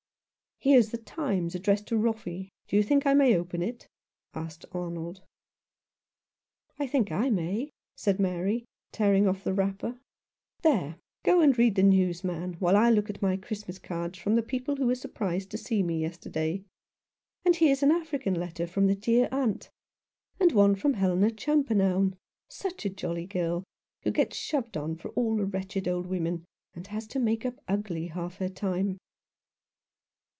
"Here's the Times, addressed to Roffey. Do you think I may open it ?" asked Arnold. "I think I may," said Mary, tearing off the wrapper. "There, go and read the news, man, while I look at my Christmas cards from the people who were surprised to see me yesterday. And here's an African letter from the dear aunt, and one from Helena Champernowne — such a jolly girl, who gets shoved on for all the wretched old women, and has to make up ugly half her time."